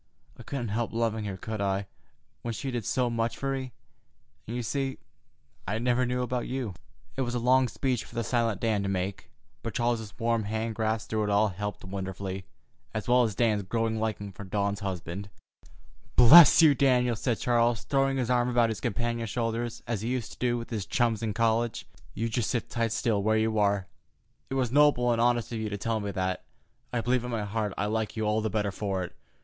I couldn't help loving her, could I, when she did so much for me? And, you see, I never knew about you." It was a long speech for the silent Dan to make, but Charles's warm hand grasp through it all helped wonderfully, as well as Dan's growing liking for Dawn's husband. "Bless you, Daniel!" said Charles, throwing his arm about his companion's shoulders, as he used to do with his chums in college. "You just sit right still where you are. It was noble and honest of you to tell me that. I believe in my heart I like you all the better for it.